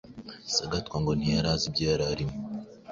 Sagatwa ngo ntiyari azi ibyo yari arimwo